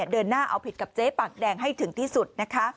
เดินหน้าเอาผิดกับเจ๊ปากแดงให้ถึงที่สุดนะคะ